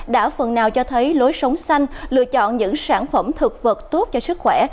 đã phần nào cho thấy lối sống xanh lựa chọn những sản phẩm thực vật tốt cho sức khỏe